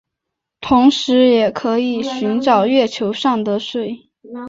同时也可以寻找月球上的水。